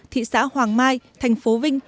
thị xã hoàng mai thành phố vinh